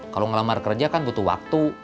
kalau ngelamar kerja kan butuh waktu